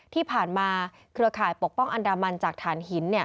เครือข่ายปกป้องอันดามันจากฐานหิน